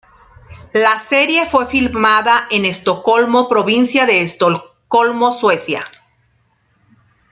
La serie fue filmada en Estocolmo, Provincia de Estocolmo, Suecia.